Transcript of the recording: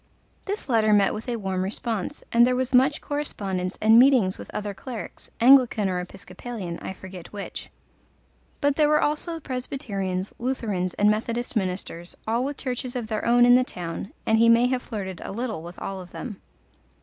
This letter met with a warm response, and there was much correspondence and meetings with other clerics Anglican or Episcopalian, I forget which. But there were also Presbyterians, Lutherans, and Methodist ministers, all with churches of their own in the town, and he may have flirted a little with all of them.